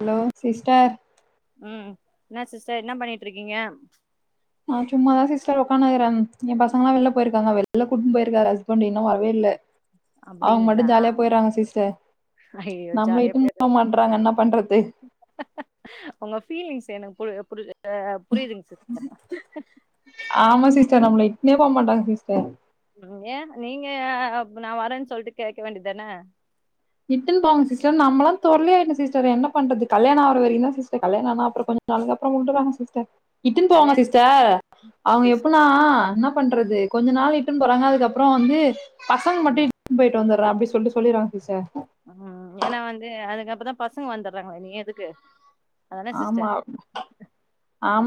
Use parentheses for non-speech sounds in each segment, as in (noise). Hello sister ம் என்ன sister என்ன பண்ணிட்டு இருக்கீங்க நா சும்மாதான் சிஸ்டர் உக்காந்து இருக்கிறே என் பசங்கலெல்லா வெளில போயிருக்காங்கா வெளில கூட்டு போயிருக்காரு ஹஸ்பண்டு இன்னு வரவேயில்லே அவங்க மட்டு அப்டிங்களா ஜாலியா போயறாங்க சிஸடர் ஐயோ நம்மள ஜாலியா இட்டும் போயிரு போகமாட்றாங்க என்ன பண்றது உங்க பீலிங்ஸ் எனக்கு புரியுதுங்க சிஸ்டர் ஆமா சிஸ்டர் நம்மள இட்டூனோ போகமாட்டாங்க சிஸ்டர் ஏ நீங்க நா வரேன்னு சொல்ட்டு கேட்க வேண்டியதானே இட்டுன்னு போங்க சிஸ்டர் நம்மல்லா தொல்லய என்ன சிஸ்டர் என்ன பண்றது கல்யாண அவுர வரைக்கு தா சிஸ்டர் கல்யாண ஆனா அப்புறோ கொஞ்சோ அதுகப்பறோ உட்டுறாங்க சிஸ்டர் இட்டுன்னு போவாங்க கல்யாண சிஸ்டர் அவங்க சிஸ்டர் எப்டினா என்ன பண்றது கொஞ்ச நாள் இட்டுன்னு போறாங்க அதுக்கப்பறோ வந்து பசங்க மட்டு ம் இட்டுன் போயிட்டு வந்துடுறே அப்டி சொல்லி சொல்லிடுறாங்க சிஸ்டர் ம் ஏன்னா வந்து அதுக்கப்பறோ தா பசங்க வந்துடுறாங்களே நீ எதுக்கு அதான ஆமா சிஸ்டர்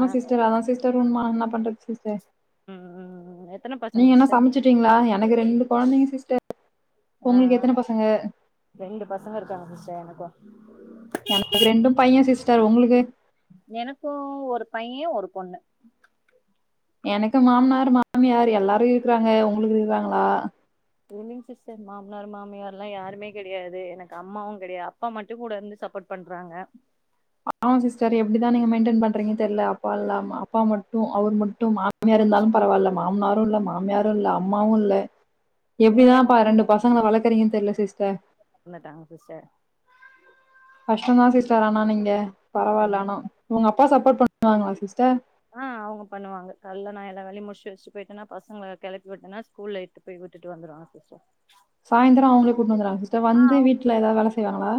ஆ சிஸ்டர் அதா சிஸ்டர் உண்மை என்ன பண்றது சிஸ்டர் ம் ம் எத்தனை பசங்க சிஸ்டர் சுட்டீங்களா எனக்கு ரெண்டு குழந்தைங்க சிஸ்டர் ஆ உங்களுக்கு எத்தனை பசங்க ரெண்டு பசங்க இருக்காங்க சிஸ்டர் எனக்கு எனக்கு ரெண்டும் பையன் சிஸ்டர் உங்களுக்கு எனக்கு ஒரு பையன் ஒரு பொண்ணு எனக்கு மாமனார் மாமியார் எல்லாரு இருக்குறாங்க உங்களுக்கு இருக்காங்களா இல்லைங்க சிஸ்டர் மாமனார் மாமியார்ல்லா யாருமே கிடையாது எனக்கு அம்மாவு கிடையாது அப்பா மட்டும் கூட இருந்து சப்போர்ட் பண்றாங்க பாவம் சிஸ்டர் எப்டிதான் நீங்க மெயின்டென் பண்றீங்கன்னு தெரில அப்பா இல்ல அப்பா மட்டும் அவர் மட்டும் மாமியா இருந்தாலு பரவாயில்ல மாமனாரும் இல்ல மாமியாரும் இல்ல அம்மாவும் இல்ல இவங்க எப்டிதான்ப்பா ரெண்டு பசங்களை வளர்குறீங்கன்னு தெரியல சிஸ்டர் (inaudible) கஷ்ட தா சிஸ்டர் ஆனா நீங்க பரவாயில்ல ம் ஆனா உங்க அப்பா சப்போர்ட் பண்ணுவாங்களா சிஸ்டர் ஆ அவங்க பண்ணுவாங்க காலைல நா எல்லா வேலையு முடிச்சு வச்சு போயிட்டோனா பசங்கள கிளப்பி விட்டனா ஸ்கூல்ல இட்டுன் போய் விட்டுடு வந்துருவாங்க சிஸ்டர் சாயந்தர அவங்களே கூடிட்டு வந்துறாங்க சி்ஸ்டர் வந்து வீட்டுல ஏதாது வேலை செய்வாங்களா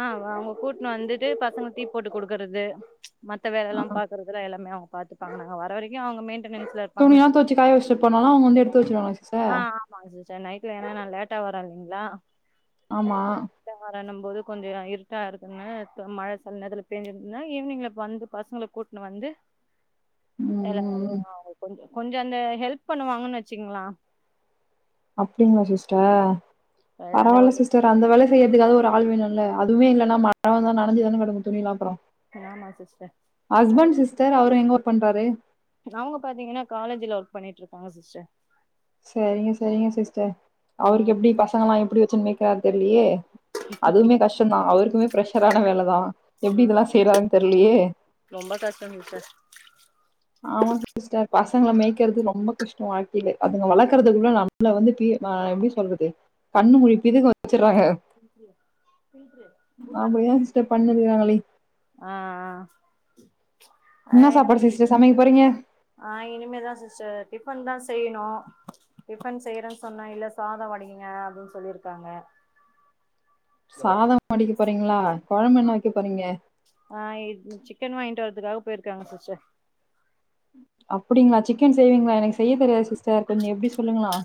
ஆ அவங்க கூட்டுன்னு வந்துட்டு பசங்க டீ போட்டு கொடுக்குறது மத்த வேலை எல்லாம் பாக்குறதுல எல்லாமே அவங்க பா்த்தத்துப்பாங்க நாங்க வர வரைக்கும் அவங்க மெயின்டனன்ஸ்ல இருப்பாங்கன்னு துணியெல்லாம் வச்சு துவைச்சு காய வச்சுட்டு போனாலும் அவங்க வந்து எடுத்து வச்சுக்குவாங்க ஆஹ் ஆமா சிஸ்டர் நைட்ல என்னா லேட்டா வரேன் இல்லைங்களா ஆமா வரனும் போது கொஞ்சம் இருட்டா இருக்குன்னு மழை சில நேரத்துல பெஞ்சு இருந்துச்சுன்னா ஈவினிங் இங்க வந்து பசங்களை கூட்ட இங்க வந்து (unintelligible) இல்ல ம் அது ம் அவங்க கொஞ்சம் அந்த கொஞ்சம் அந்த ஹெல்ப் பண்ணுவாங்கன்னு வச்சீங்கோங்களேன் அப்டிங்களா சிஸ்டர் அது பரவாயில்ல ஒரு சிஸ்டர் அந்த வேலை செய்யறதுக்காக ஒரு ஆள் வேணும்ல அதுவே இல்லைன்னா மழை வந்தா நெனஞ்சு தானே கெடக்கும் துணிலாம் அப்பறம் ஆமா சிஸ்டர் அவ சிஸ்டர் அவரு எங்க ஒர்க் பண்றாரு அவங்க பாத்தீங்கன்னா காலேஜ்ல ஒர்க் பண்ணிட்டு இருக்காங்க சிஸ்டர் செரிங்க செரிங்க சிஸ்டர் அவருக்கு ம் எப்படி பசங்கல்லாம் எப்படி வச்சுன்னு மேய்க்கறாருன்னு தெரியலயே அதுவுமே கஷ்டம் தான் அவருக்குமே பிரஷரான வேலைதான் எப்படி ம் இதெல்லாம் செய்யறாருன்னு தெரியலையே ரொம்ப கஷ்டம் சிஸ்டர் ஆமா சிஸ்டர் பசங்களை மேய்க்கறது ரொம்ப கஷ்டம் வாழ்க்கையிலே அதுங்கள வளக்குறதுக்குள்ள ல வந்து ப எப்படி சொல்றது கண்ணு முழிப்பிதுங்க வச்சடுறாங்க அப்டியா பில்டரு குண்டான பண்ணிருவாங்களே ஆஹ் ஆஹ் என்ன சாப்பாடு சிஸ்டர் சமைக்க போறீங்க ஆஹ் இனிமேதான் சிஸ்டர் டிஃபன் தான் செய்யணும் டிபன் செய்யறேன்னு சொன்னேன் இல்ல சாதம் வடிங்க அப்படின்னு சொல்லியிருக்காங்க சாதம் அடிக்க போறீங்களா கொழம்பு என்ன வைக்க போறீங்க ஆஹ் சிக்கன் வாங்கிட்டு வரதுக்காக போயிருக்காங்க சிஸ்டர் அப்படிங்களா சிக்கன் செய்வீங்களா எனக்கு செய்ய தெரியாது சிஸ்டர் கொஞ்சம் எப்படி சொல்லுங்களேன்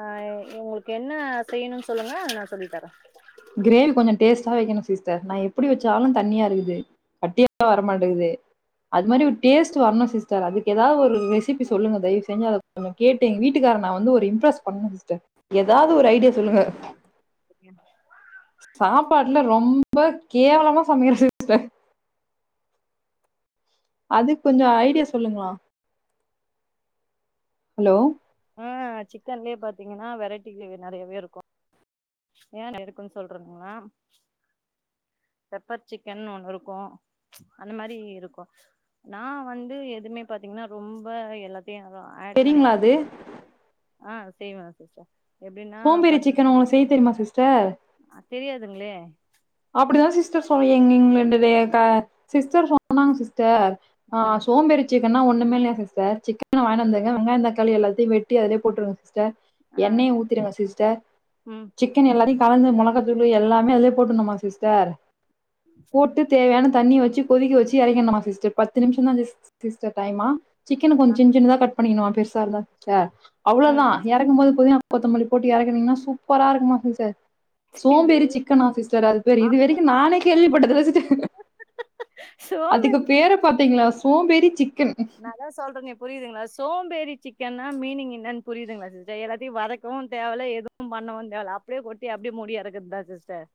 ஆஹ் உங்களுக்கு என்ன செய்யணும்னு சொல்லுங்க நான் சொல்லி தரேன் கிரேவி கொஞ்சம் டேஸ்ட்டா வைக்கணும் சிஸ்டர் நான் எப்படி வச்சாலும் தனியா இருக்குது கட்டியல்லாம் வரமாட்டேங்குது அது மாதிரி ஒரு டேஸ்ட் வரணும் சிஸ்டர் அதுக்கு எதாவது ஒரு ரெசிபி சொல்லுங்க தயவு செஞ்சு அது இத கேட்டு எங்க வீட்டுக்கார நான் வந்து ஒரு இம்ப்ரஸ் பண்ணணும் சிஸ்டர் ஏதாவது ஒரு ஐடியா சொல்லுங்க அப்டியா சாப்பாட்டுல ரொம்ப கேவலமா சமைக்றேன் சிஸ்டர் அதுக்கு கொஞ்சம் ஐடியா சொல்லுங்களேன் ஹலோ ஆஹ் சிக்கன்லேயே பாத்தீங்கன்னா வெரைட்டி கிரேவி நிறையாவே இருக்கும் ஏன் எதுக்குன்னு சொல்றேனா பெப்பர் சிக்கன்னு ஒண்ணு இருக்கும் அந்த மாதிரி இருக்கும் நான் வந்து எதுவுமே பாத்தீங்கன்னா ரொம்ப எல்லாத்தையும் ஆட் பண்ண செரிங்களா அது ஆஹ் செய்வேன் சிஸ்டர் எப்டின்னா சோம் பேறி சிக்கன் உங்களுக்கு செய்ய தெரியுமா சிஸ்டர் அ தெரியாதுங்களே அப்படிதான் சிஸ்டர் சொ எங்க சிஸ்டர் சொன்னாங்க சிஸ்டர் ஆ ஆஹ் சோம்பேறி சிக்கனா ஒண்ணுமே இல்ல சிஸ்டர் சிக்கன் வாங்கினு வந்துருங்க வெங்காய தக்காள எல்லாத்தையும் வெட்டி அதுலயே போட்டுருங்க சி்ஸ்டர் ஆ எண்ணய ஊத்திருங்க சிஸ்டர் ம் சிக்கன் எல்லாத்தயும் கலந்து முளக தூளு எல்லாமே அதல போட்டுடனுமாம் சிஸ்டர் போட்டு தேவையான தண்ணியை வச்சு கொதிக்க வச்சு இறக்கணுமா சிஸ்டர் பத்து நிமிஷம் தான் சிஸ்டர் டைமா சிக்கன ஆ கொஞ்சம் சின் சின்னதா கட் பண்ணிக்கணமா பெருசா இருந்தா சிஸ்டர் ம் அவ்வளோதான் இறக்கும் போது பொதினா கொத்தமல்லி போட்டு இறக்குனீங்கன்னா சூப்பரா இருக்குமா சிஸ்டர் இது சோம்பேறி சிக்கன் ஆ சிஸ்டர் அது பேரு இது வரைக்கும் நானே கேள்விப்பட்டது இல்ல அதுக்கு சோம்பேறி பேர் பேற பாத்தீங்களா சோம்பெரி சிக்கன் நாதான் சொல்றேனே புரியுதுங்களா சோம்பேரி சிக்கனா மீனிங் என்னு புரியுதுங்களா சிஸ்டர் எல்லாத்தையும் வதக்கவும் தேவல எதுவும் பண்ணவும் தேவல்ல அப்படியே கொட்டி அப்படி முடியெறக்கறது தான் சிஸ்டர்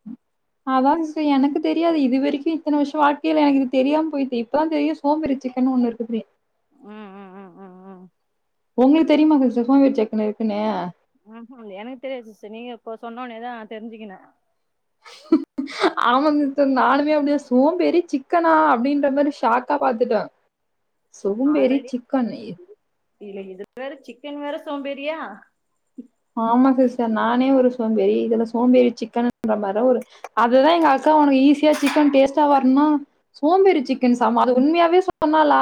அதான் சிஸ்டர் எனக்கு தெரியாது இது வரைக்கும் இத்தனை வருஷம் வாழ்க்கையில எனக்கு இது தெரியாம போயிடு இப்பதான் தெரியும் சோம்பரி சிக்கன்னு ஒன்னு இருக்குன்னு ம் ம் ம் ம் ம் உங்களுக்கு தெரியுமா சிஸ்டர் சோம்பேறி சிக்கனு இருக்குன்னு ம்ஹுஎனக்கு தெரியது சிஸ்டர் நீங்க சொன்னோனேதான் தெரிஞ்சுகின்னேன் ஆமா நானுமே அப்படியா சோம்பேறி சிக்கனா அப்படின்ற மாதிரி ஷாக்கா பாத்துட்டேன் சோம்பேறி சிக்கன் இதுல இது வேற சிக்கன் வேற சோம்பேரியா ஆமா சிஸ்டர் நானே ஒரு சோம்பேறி இதுல சோம்பேறி சிக்கன்ற மாதிர ஒரு அதுதான் எங்க அக்கா உனக்கு ஈஸியா சிக் கன் டேஸ்ட்டா வரும் சோம்பேறி சிக்கன் சம அது உண்மையாவே சொன்னாலா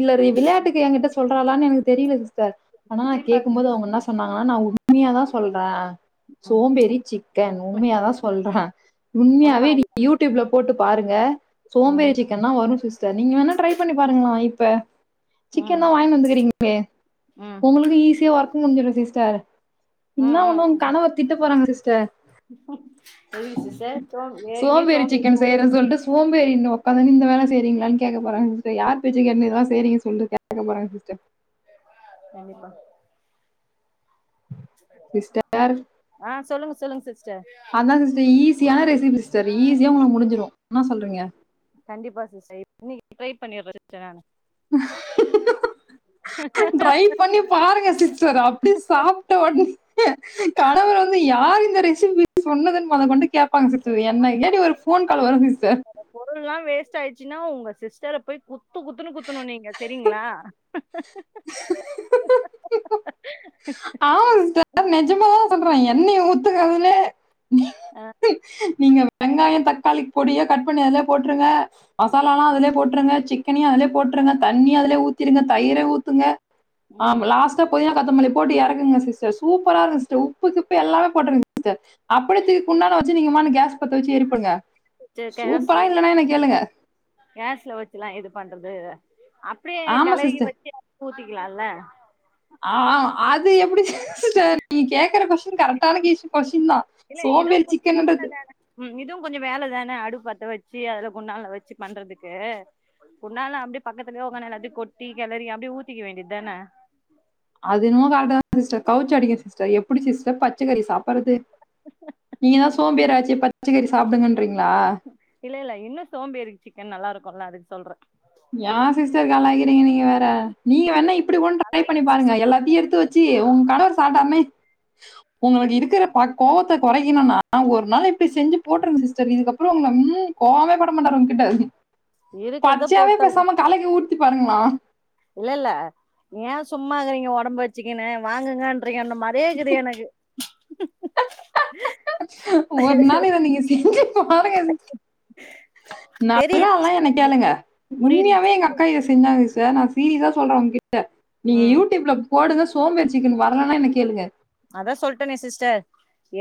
இல்ல இ விளையாட்டுக்கு எங்கிட்ட சொல்றாளான்னு எனக்கு தெரியல சிஸ்டர் ஆனா இப்டி நான் கேக்கும் போது பாத்தீங்கன்னா அவங்க என்னா சொன்னாங்கன்னா நா உண்மையாதான் சொல்றேன் சோம்பேறி சிக்கன் உண்ம உண்மையாதான் சொல்றேன் உண்ம உண்மையாவே நீ அது யூட் யூப்ல போட்டு பாருங்க சோம்பேறி ம் சிக்கன் தா வரும் சிஸ்டர் நீங்க வேணா ட்ரை பண்ணி பாருங்களேன் இப்ப சிக்கன் ம் தான் வாங்கினு வந்துக்கறீங்களே ம் உங்களுளுக்கு ஈஸியா ஒர்க்க முடிஞ்சடு சிஸ்டர் ம் இன்ன ஒண்ணு உங்க ம் கணவர் திட்ட போறாங்க சிஸ்டர் ம் எதுக்கு சிஸ்டர் சோ ஏற்கனவே சோம்பேறி சிக்கன் ஓ செய்றேன்னு சொல்லிட்டு சோம்பேறினு உட்காந்துன்னு இந்த வேல செய்றீங்களான்னு கேட்க போறாங்க சி்ஸ்டர் யார் பேச்ச கேட்டுன்னு இதெல்லாம் செய்றேன்னு கேட்க போறாங்க சிஸ்டர் கண்டிப்பா சிஸ்டர் ஆ சொல்லுங்க சொல்லுங்க சிஸ்டர் அதான் சிஸ்டர் ஈசியான ரெசிபி சிஸ்டர் ஈஸியா உங்களுக்கு முடிஞ்சுரும் என்ன சொல்றீங்க கண்டிப்பா சிஸ்டர் இன்னைக்கு ட்ரை பண்ணிடுறேன் சிஸ்டர் நானு ட்ரை பண்ணி பாருங்க சிஸ்டர் அப்படி சாப்ப கணவர் வந்து யார் இந்த ரெசிபி சொன்னதுன்னு மொத கொண்டு கேப்பாங்க சிஸ்டர் என்ன டி ஒரு போன் கால் வரும் சிஸ்டர் பொருள்ல்லாம் வேஸ்ட் ஆயிடுச்சுன்னா உங்க சிஸ்டரை போய் குத்து குத்துன்னு குத்துணும் நீங்க சரிங்களா ஆமா சிஸ்டர் நெஜமதான் சொல்றேன் என்ன ஊத்துங்க அதுல ஆ நீங்க வெங்காயம் தக்காளிக்கு பொடிய கட் பண்ணி அதுலயே போட்டுருங்க மசாலாலாம் அதுலயே போட்டுருங்க சிக் கட் பண்ணி அதுலயே போட்டுறுங்க தண்ணி அதுலயே ஊத்திருங்க தயிர ஊத்துங்க ம் லாஸ்டா பொதினா கொத்தமல்லி போட்டு இறக்குங்க சிஸ்டர் சூப்பரா இருக்கும் சி்ஸ்டர் உப்புகிப்பு எல்லாமே போட்டிருங்க சிஸ்டர் அப்படியே திருப்பி குண்டான வச்சு நீங்கமானனு கேஸ் பத்த வச்சு ஏரிப்படுங்க சரி கேஸு சூப்பரா இல்லன்னா என்ன கேளுங்க கேஸ்ல வச்சுலா இது பண்றது அப்டியே ஆமா கிளக சிஸ்டர். வச்சு ஊத்திக்கலாம்ல ஆ அது எப்டி நீ கேக்கற கொஸ்டின் கரக்டான கேஷ கொஸ்டின் தா இல்ல இதுவு சோம்பேறி சிக்கன்றது ம் இதுவு கொஞ்ச வேலைதானே அடுபு பத்த வச்சு அதுல குண்டாலல வச்சு பண்றதுக்கு உன்னாலு அப்டியே பக்கத்துலயே உக்காந்து நல்ல அப்டியேகொட்டி கிளறி அப்படியே ஊத்திக்க வேண்டியது தானே அதுன கான் சிஸ்டர் கவுச்சடிக்கும் சிஸ்டர் எப்டி சிஸ்டர்பத் பச்சக்கறி சாப்படுறது நீங்க தான் சோம்பேரா ஆச்சி பச்சைக்கறி சாப்பிடுங்கன்றீங்களா இல்ல இல்ல இன்னும் சோம்பேரி சிக்கன் நல்லா இருக்கும்ல்ல அதுக்கு சொல்றே ஏ சிஸ்டர் கலாக்கிறிங்க நீங்க வேற நீங்க வேணா இப்டி ஒரு ட்ரை நல்லா பண்ணி ஆயிக்குதா பாருங்க சிஸ்டர் எல்லாத்தையு எடுத்துவச்சு வச்சி உங்க கணவர் சாட்டார்னே உங்களுக்கு இருக்கிற பத் கோபத்த குறைக்கணும்னா ந இப்படி செஞ்ச போட்டுருங்க சிஸ்டர் இதுக்கு அப்புற உங்க முழு கோபமு இருக்கறத சேரி போட்டு பேசாம களைக்கி ஊத்தி பாருங்களாம் இல்லல்ல ஏ சும்மாக்குறீங்க உடம்பு வச்சுக்கன்னு வாங்குங்கன்றீங்க அந்த மாறே இருக்குது எனக்கு (inaudible) ஒரு நாள் இத நீங்க செஞ்சு பாருங்க நல்லா தெரியுது எல்லா நெனைக்காதீங்க புரியுது உண்மையாவே எங்க கையு செஞ்சாங்க சார் நா சீரிஸா சொல்றே உங்க கிட்ட நீங்க ம் யூடியூப்ல போடுங்க சோம்பேறி சிக்கன் வரலன்னா என்ன கேளுங்க அதா சொல்லிட்டேனே சிஸ்டர்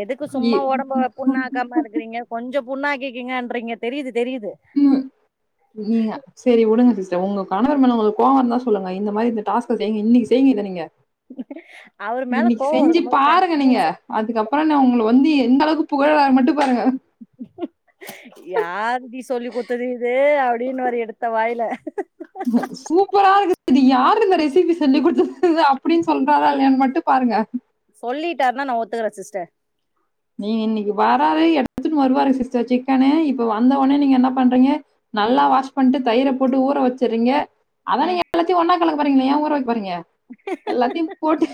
எதுக்கு இ சும்மா உடம்ப புண்ணாக்கமா இருக்கறீங்க கொஞ்சம் புண்ணா ஆக்கிக்கீன்றீங்க தெரியுது தெரியுது ம் புரியல சரி விடுங்க சிஸ்டர் உங்க கணவர் மேல உளுக்கு கோவம் தா சொல்லுங்க இந்த மாரி இந்த டாஸ்க செய்ங்க இன்னைக்கு செய்ங்க இதை நீங்க அவர் மேல கோவம் இருக்கும்போது கண்டிப்பா அதுக்கப்புற நா உங்கள வந்து எந்த அளவுக்கு புகழ மட்டுபாருங்க யாரு டீ சொல்லி குத்தது இது அப்டின்னு வாரு எடுத்த வாயில (unintelligible) சூப்பரா இருக்கு இது யாரு இந்த ரெசிபி செஞ்சி கொடுத்தது அப்டின்னு சொல்றாரா இல்யாண் மட்டு பாருங்க சொல்லிட்டாருனா நா ஒத்துக்கறே சிஸ்டர் நீங்க இன்னைக்கு வராரு எடுத்துன்னட்டு வருவாரு சிஸ்டர் சிக்கனு இப்ப வந்த உடனே நீங்க என்ன பண்றீங்க நல்லா ம் வாஷ் பண்ணிட்டு தயிரை போட்டு ஊர வச்சுருறீங்க அதா ம் நீங்க எல்லாத்தையு ஒன்னா கலக்க போறீகலே ஏ ஊர வக் பாறங்க எல்லாத்தையு போட்டு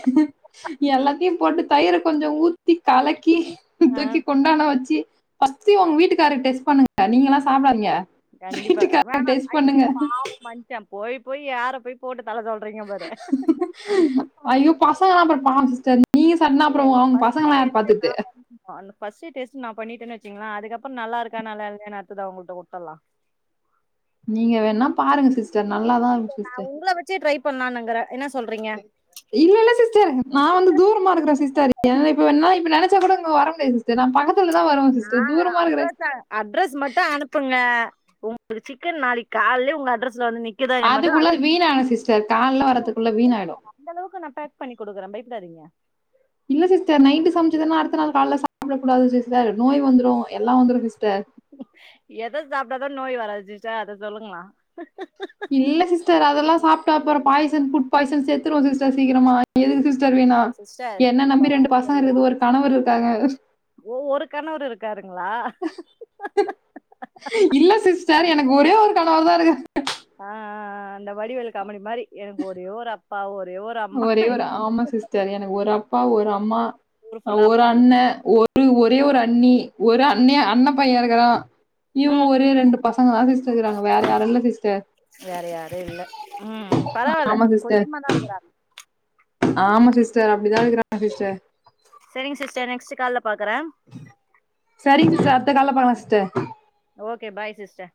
எல்லாத்தையு போட்டு தயிரை கொஞ்ச ஊத்தி கலக்கி ஆ தூக்கி கொண்டானம் வச்சு பர்ஸ்ட் உங்க வீட்டுக்காரரு டெஸ்ட் பண்ணுங்க நீங்கல்லா சாப்பிடாதீங்க கண்டிப்பா வீட்டுக்கரருக்கு டெஸ்ட் பண்ணுங்க ச போய் போய் யார போய் போட்டு தள்ள சொல்ற ஐயோ பசங்கல்லா அப்போ பாவம்சிஸ்டர் நீங்க சாப்னா இல்ல அப்புற இல்ல உங்க ஃபர்ஸ்ட் பசங்க யார் டேஸ்ட்டே நா பாத்துட்டு பண்ணனு ஃபர்ஸ்ட் டேஸ்ட் நா பண்ணிட்டேனா வச்சுக்ங்கலே அதுக்கப்புற நல்லாஇருக்கா நல்லா இல்ல நா அதுக்கப்புற உத்தலா நீங்க வேணா பாருங்க சிஸ் (unintelligible) நா உங்கள வச்சே ட்ரை பண்ணலா என்ன சொல்றீங்க இல்ல இல்ல சிஸ்டர் நா வந்து தூரமா இருக்கிற சிஸ்டர் இப்ப என்னா இப்ப நினைச்சா கூட அங்க வர முடியா சிஸ்டர் நா பக்க அல தா வரும் நா சிஸ்டர் தூரமா இருக்குற அட்ரஸ் அட்ரஸ் மட்டு அனுப்புங்க உங்களுக்கு சிக்கன் நாளைக்கு காலைல உங்க அட்ரஸ்ல வந்து நிக் அதுக்குள்ள வீணாகிடு சிஸ்டர் காலையில வர்ரதுக்குள்ள வீணா ஆயிடு இந்த அளவுக்கு நா பேக் பண்ணி கொடுக்குற பயப்படாதீங்க இல்ல சிஸ்டர் நைட்டு சமைச்சதுன்னா அடுத்த நாள் கால்ல சாப்டக் கூடாது சிஸ்டர் நோய் வந்திரு எல்லா வந்துரு சிஸ்டர் எத சாப்ட்டாதா நோய் வராது சிஸ்டர் அத சொல்லுங்களா இல்ல சிஸ்டர் அதெல்லா சாப்ட அப்றோ பாய்சன் ஃபுட் பாய்ச செத்துருவோ சிஸ்டர் சீக்கிரமா எதுக்கு சிஸ்டர் வீணா சிஸ்டர் என்ன இப்ப நம்பி ரெண்டு வர பசங்க எல் இருக்கு ஒரு கணவர் இருக்காங்க ஓ ஒரு கணவர் இருக்காருங்களா இல்ல சிஸ்டர் எனக்கு ஒரே ஒரு கணவர் தா இருக்காரு ஆ ஆ ஆ ஆ இந்த வடிவேலு காமெடி மாரி எனக்கு ஒரே ஒரு அப்பா ஒரே ஓரு ஒரே ஒரு ஆமா சிஸ்டர் எனக்கு ஒரு அப்பா ஒரு அம்மா ஊர் ஃபுல்லா ஒரு அப்பா இருக்கு. அண்ணே ஒரு ரு ஒரே ஒரு அண்ணி ஒரு அண்ணே அண்ண பைய இருக்குறா இவுங்க ம் ஒரு ரெண்டு பசங்க தா சிஸ்டர் இருக்கிறாங்க வேற யாரு இல்ல சிஸ்டர் வேற யாரு இல்ல ம் பரவால்ல ஆமா சிஸ்டர். கொஞ்சமா தா இருக்குறாங்க ஆமா சிஸ்டர் அப்டிதா இருக்கிறாங்க சிஸ்டர் சேரிங்க சிஸ்டர் நெக்ஸ்ட் கால்ல பாக்குறே செரிங்க சிஸ்டர் அடுத்த கால்ல பாக்கலா சிஸ்டர் ஓகே பாய் சிஸ்டர்